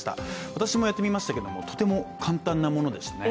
私もやってみましたけども、とても簡単なものでしたね。